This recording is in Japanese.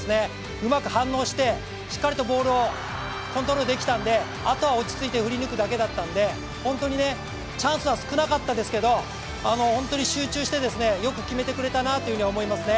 うまく反応してしっかりボールをコントロールできたのであとは落ち着いて振り抜くだけだったので、本当にチャンスは少なかったですけど本当に集中してよく決めてくれたなと思いますね。